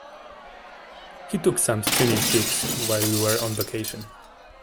He took some stunning pics while we were on vacation.